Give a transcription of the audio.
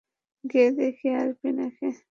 গিয়ে দেখে আসবি নাকি?